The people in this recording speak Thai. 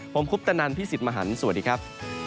ผมคุปตะนันพี่สิทธิ์มหันฯสวัสดีครับ